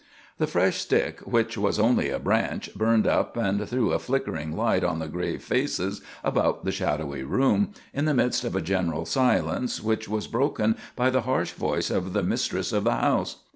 The fresh stick, which was only a branch, burned up and threw a flickering light on the grave faces about the shadowy room, in the midst of a general silence which was broken by the harsh voice of the mistress of the house.